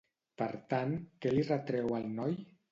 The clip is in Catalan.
Per tant, què li retreu al noi?